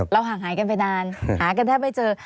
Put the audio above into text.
ห่างหายกันไปนานหากันแทบไม่เจอ